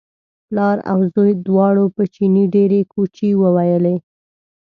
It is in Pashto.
پلار او زوی دواړو په چیني ډېرې کوچې وویلې.